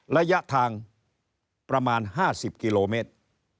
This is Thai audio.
ระยะทางประมาณ๕๐กิโลเมตร